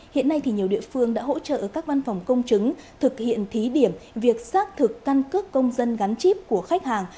hiện nay nhiều địa phương đã hỗ trợ các văn phòng công chứng thực hiện thí điểm việc xác thực căn cước công dân gắn chip của khách hàng